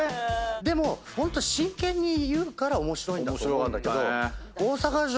でも真剣に言うから面白いんだと思うんだけど。